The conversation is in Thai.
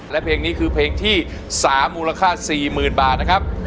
และเพลงนี้คือเพลงที่๓มูลค่า๔๐๐๐บาทนะครับ